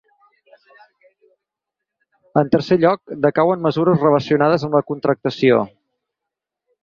En tercer lloc, decauen mesures relacionades amb la contractació.